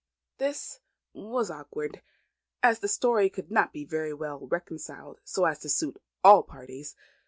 This was awkward, as the story could not be very well reconciled so as to suit all parties.